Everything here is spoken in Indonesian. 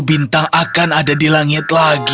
bintang akan ada di langit lagi